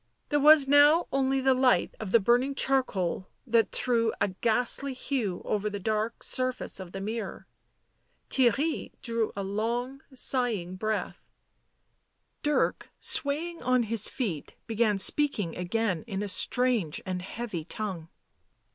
There was now only the light of the burning charcoal that threw a ghastly hue over the dark surface of the mirror. Theirry drew a long sighing breath ; Dirk, swaying on his feet, began speaking again in a strange and heavy tongue.